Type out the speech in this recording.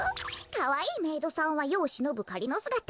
かわいいメイドさんはよをしのぶかりのすがた。